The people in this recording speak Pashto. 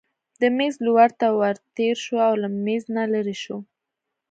د مېز لور ته ورتېر شو او له مېز نه لیرې شو.